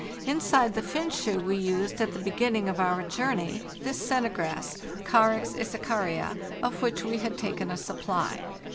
Inside the "finsko" we used, at the beginning of our journey, this "sennegraes" (Carex esicaria), of which we had taken a supply.